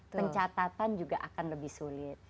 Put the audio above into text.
pencatatan juga akan lebih sulit